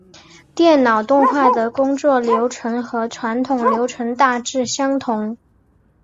电脑动画的工作流程和传统流程大致相同。